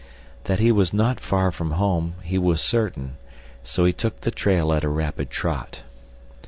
That he was not far from home he was certain, so he took the trail at a rapid trot.